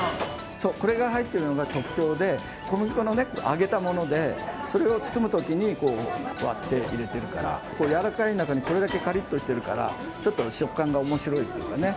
そう、これが入ってるのが特徴で、小麦粉を揚げたもので、それを包むときに割って入れてるから、柔らかい中に、これだけかりっとしてるから、ちょっと食感がおもしろいっていうかね。